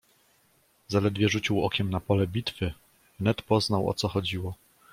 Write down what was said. "Zaledwie rzucił okiem na pole bitwy, wnet poznał o co chodziło."